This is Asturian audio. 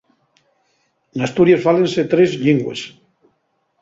N'Asturies fálanse tres llingües.